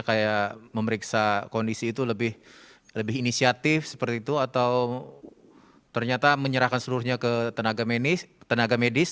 kayak memeriksa kondisi itu lebih inisiatif seperti itu atau ternyata menyerahkan seluruhnya ke tenaga medis